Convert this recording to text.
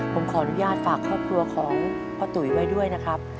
ผมขออนุญาตฝากครอบครัวของพ่อตุ๋ยไว้ด้วยนะครับ